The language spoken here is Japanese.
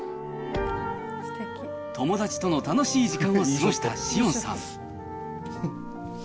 友達との楽しい時間を過ごした紫苑さん。